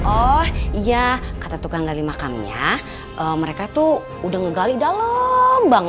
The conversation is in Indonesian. oh iya kata tukang gali makamnya mereka tuh udah ngegali dalam bang